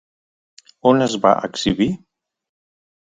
On es va exhibir?